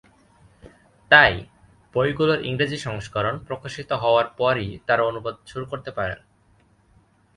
তাই, বইগুলোর ইংরেজি সংস্করণ প্রকাশিত হওয়ার পরই তারা অনুবাদ শুরু করতে পারেন।